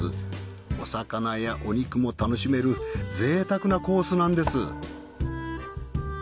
お魚やお肉も楽しめるぜいたくなコースなんです。